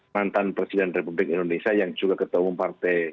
mantan presiden republik indonesia yang juga ketua umum partai